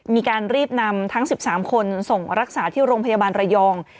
มีการรีบนำทั้ง๑๓คนส่งรักษาที่โรงพยาบาลระยอง